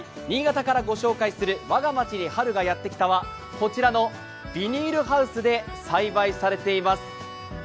新潟から御紹介する我が町に春がやってきたはこちらのビニールハウスで栽培されています。